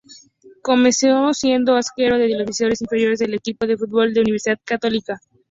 Comenzó siendo arquero en las divisiones inferiores del equipo de fútbol de Universidad Católica.